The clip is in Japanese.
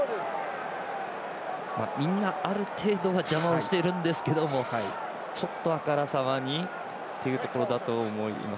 みんな、ある程度は邪魔をしているんですけれどもちょっと、あからさまにというところだと思います。